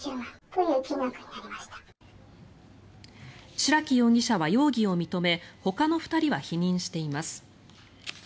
白木容疑者は容疑を認めほかの２人は否認しています。